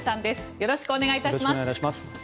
よろしくお願いします。